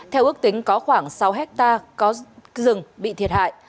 theo ước tính có khoảng sáu hectare có rừng bị thiệt hại